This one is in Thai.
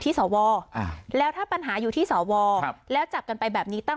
สวแล้วถ้าปัญหาอยู่ที่สวแล้วจับกันไปแบบนี้ตั้ง